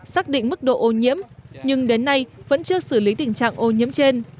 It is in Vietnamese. xác định mức độ ô nhiễm nhưng đến nay vẫn chưa xử lý tình trạng ô nhiễm trên